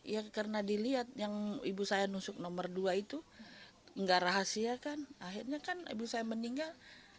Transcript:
ya karena dilihat yang ibu saya nusuk nomor dua itu nggak rahasia kan akhirnya kan ibu saya meninggal